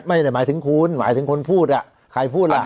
ไม่ได้หมายถึงคุณหมายถึงคนพูดอ่ะใครพูดล่ะ